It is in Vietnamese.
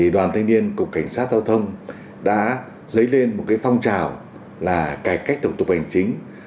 đoàn thanh niên cục cảnh sát giao thông đã dấy lên một phong trào là cải cách thủ tục hành chính